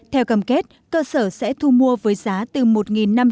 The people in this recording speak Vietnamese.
theo cam kết cơ sở sẽ thu mua với giá từ một năm trăm linh đến hai đồng trên một kg